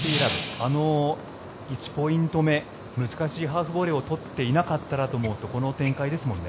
あの１ポイント目難しいハーフボレーを取っていなかったらと思うとこの展開ですもんね。